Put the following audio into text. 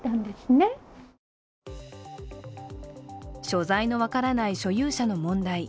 所在の分からない所有者の問題。